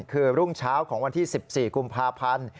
คือรุ่งเช้าของวันที่๑๔กุมภาพันธ์